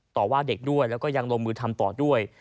ต่อว่าเด็กด้วยแล้วก็ยังลงมือทำต่อด้วย